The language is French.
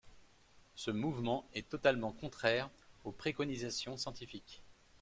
Ce mouvement est totalement contraire aux préconisations scientifiques.